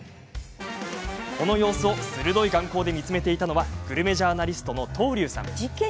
この様子を鋭い眼光で見つめていたのはグルメジャーナリストの東龍さん。